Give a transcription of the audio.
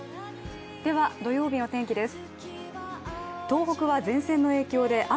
では、土曜日の天気です。